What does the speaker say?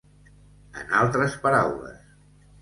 En altres paraules.